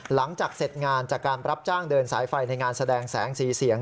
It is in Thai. หลังจากเสร็จงานจากการรับจ้างเดินสายไฟในงานแสดงแสงสีเสียง